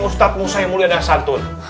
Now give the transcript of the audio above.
ustadz musa yang mulia dasar